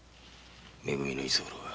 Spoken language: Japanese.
め組の居候は。